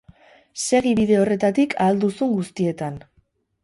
Segi bide horretatik ahal duzun guztietan.